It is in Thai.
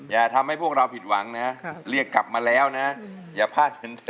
อย่าทำให้พวกเราผิดหวังนะเรียกกลับมาแล้วนะอย่าพลาดเป็นเธอ